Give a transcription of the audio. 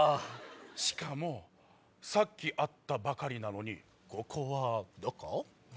しかもさっき会ったばかりなのにここはどこぉ？